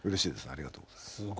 ありがとうございます。